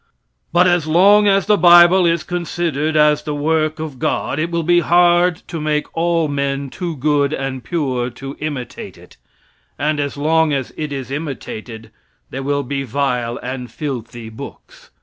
But as long as the bible is considered as the work of God, it will be hard to make all men too good and pure to imitate it; and as long as it is imitated there will be vile and filthy books.